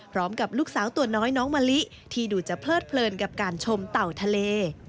ลูกสาวตัวน้อยน้องมะลิที่ดูจะเพลิดเพลินกับการชมเต่าทะเล